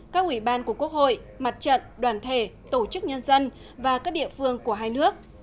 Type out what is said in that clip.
các ủy ban của quốc hội mặt trận đoàn thể tổ chức nhân dân và các địa phương của hai nước